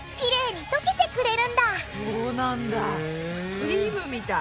クリームみたい。